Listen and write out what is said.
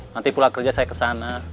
nanti pulak kerja saya kesana